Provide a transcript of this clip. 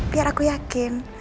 biar aku yakin